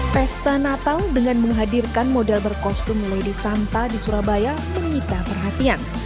pesta natal dengan menghadirkan model berkostum lady santa di surabaya menyita perhatian